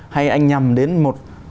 hay anh nhầm đến một